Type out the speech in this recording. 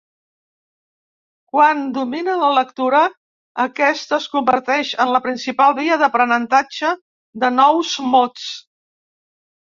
Quan dominen la lectura, aquesta es converteix en la principal via d'aprenentatge de nous mots.